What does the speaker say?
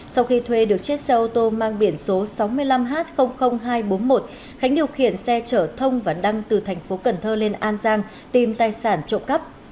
sau khi thuê được chiếc xe ô tô mang biển số sáu mươi năm h hai trăm bốn mươi một khánh điều khiển xe chở thông và đăng từ thành phố cần thơ lên an giang tìm tài sản trộm cắp